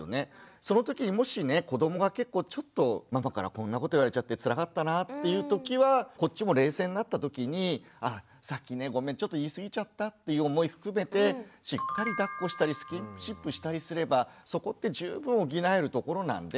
そのときにもしね子どもが結構ちょっとママからこんなこと言われちゃってつらかったなっていうときはこっちも冷静になったときに「さっきねごめんちょっと言い過ぎちゃった」っていう思い含めてしっかりだっこしたりスキンシップしたりすればそこって十分補えるところなんで。